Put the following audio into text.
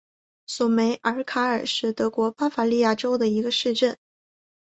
索梅尔卡尔是德国巴伐利亚州的一个市镇。